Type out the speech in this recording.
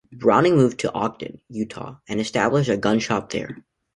Browning moved to Ogden, Utah and established a gun shop there.